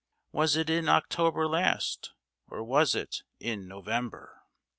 Was it in October last? Or was it in November?